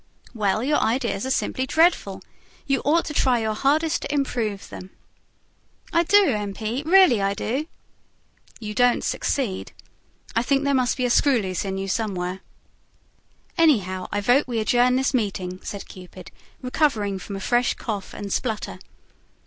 "Well, your ideas are simply dreadful. You ought to try your hardest to improve them." "I do, M. P., really I do." "You don't succeed. I think there must be a screw loose in you somewhere." "Anyhow, I vote we adjourn this meeting," said Cupid, recovering from a fresh cough and splutter.